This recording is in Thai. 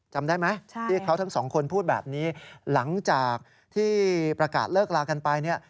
จำได้ไหมที่เขาทั้งสองคนพูดแบบนี้หลังจากที่ประกาศเลิกลากันไปเนี่ย